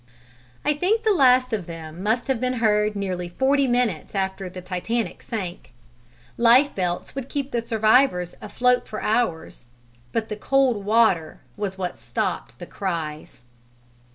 I think the last of them must have been heard nearly forty minutes after the Titanic sank. Lifebelts would keep the survivors afloat for hours; but the cold water was what stopped the cries.